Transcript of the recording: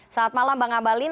selamat malam bang ngabalin